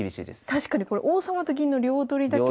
確かにこれ王様と銀の両取りだけど。